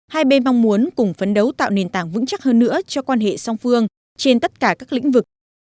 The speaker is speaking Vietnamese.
hai bên mong muốn cùng phấn đấu tạo nền tảng vững chắc hơn nữa cho quan hệ song phương trên tất cả các lĩnh vực